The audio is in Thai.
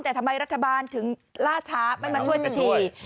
แต่ทำไมรัฐบาลถึงล่าช้าไม่มาช่วยสักที